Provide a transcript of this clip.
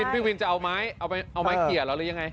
พี่วินจะเอาไม้เกลี่ยหรือยังไง